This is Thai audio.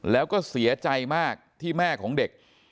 แล้วก็เสียใจมากที่แม่ของเด็ก